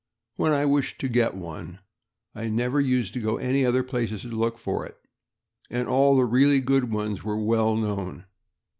When I wished to get one, I never used to go to any other place to look for it; and all the really good ones were well known.